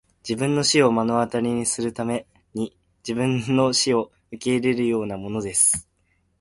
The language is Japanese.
自分の死を目の当たりにするために自分の死を受け入れるようなものです!